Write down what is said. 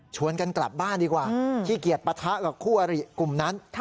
กันกลับบ้านดีกว่าขี้เกียจปะทะกับคู่อริกลุ่มนั้น